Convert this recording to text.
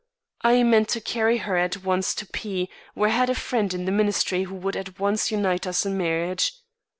I meant to carry her at once to P , where I had a friend in the ministry who would at once unite us in marriage.